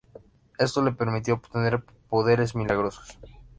Esto le permitió obtener poderes milagrosos.